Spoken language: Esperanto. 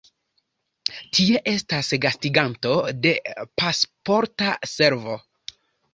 Tie estas gastiganto de Pasporta Servo.